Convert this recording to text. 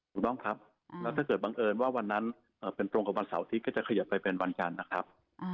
ถูกต้องครับแล้วถ้าเกิดบังเอิญว่าวันนั้นเป็นตรงกับวันเสาร์อาทิตย์ก็จะขยับไปเป็นวันจันทร์นะครับ